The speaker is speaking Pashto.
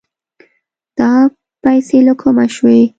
دا پيسې له کومه شوې؟